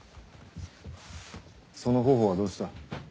その頬はどうした？